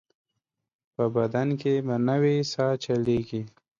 په بدن کې به نوې ساه چلېږي.